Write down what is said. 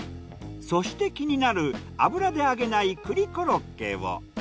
そして気になる油で揚げない栗コロッケを。